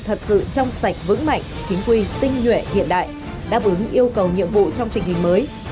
thật sự trong sạch vững mạnh chính quy tinh nhuệ hiện đại đáp ứng yêu cầu nhiệm vụ trong tình hình mới